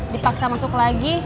dipaksa masuk lagi